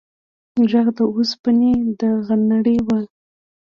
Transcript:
غږ د اوسپنې د غنړې و.